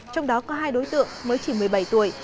trong đó có hai đối tượng mới chỉ một mươi bảy tuổi